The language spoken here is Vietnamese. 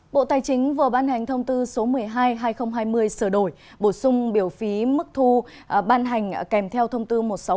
bộ tài chính vừa ban hành thông tư số một mươi hai hai nghìn hai mươi sửa đổi bổ sung biểu phí mức thu ban hành kèm theo thông tư một trăm sáu mươi